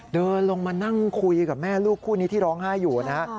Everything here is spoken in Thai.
เดินลงมานั่งคุยกับแม่ลูกคู่นี้ที่ร้องไห้อยู่นะฮะ